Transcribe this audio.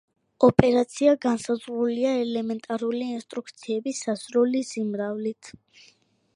ოპერაცია განსაზღვრულია ელემენტარული ინსტრუქციების სასრული სიმრავლით.